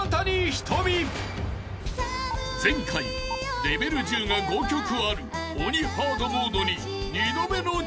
［前回レベル１０が５曲ある鬼ハードモードに二度目の挑戦］